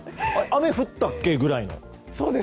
雨降ったっけ？くらいの。